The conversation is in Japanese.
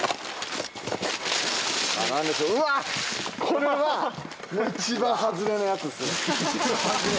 これは一番外れのやつですね。